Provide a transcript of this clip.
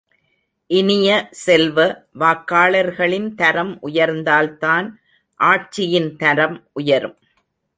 இனிய செல்வ, வாக்காளர்களின் தரம் உயர்ந்தால் தான் ஆட்சியின் தரம் உயரும்.